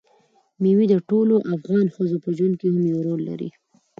مېوې د ټولو افغان ښځو په ژوند کې هم یو رول لري.